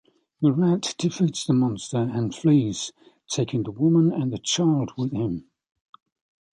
Murat defeats the monster and flees, taking the woman and the child with him.